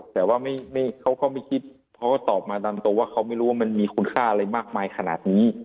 แต่ว่าเขาก็ไม่คิดเขาก็ตอบมาตามตรงว่าเขาไม่รู้ว่ามันมีคุณค่าอะไรมากมายขนาดนี้